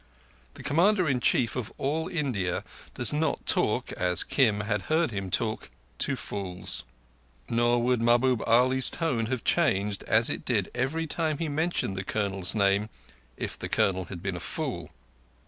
The Commander in Chief of all India does not talk, as Kim had heard him talk, to fools. Nor would Mahbub Ali's tone have changed, as it did every time he mentioned the Colonel's name, if the Colonel had been a fool.